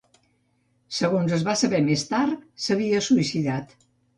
Segons que es va saber més tard, s’havia suïcidat.